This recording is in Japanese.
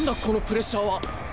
このプレッシャーは。